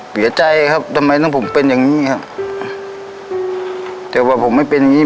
เสียใจครับทำไมต้องผมเป็นอย่างงี้ครับแต่ว่าผมไม่เป็นอย่างงี้